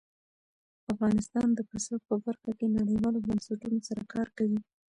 افغانستان د پسه په برخه کې نړیوالو بنسټونو سره کار کوي.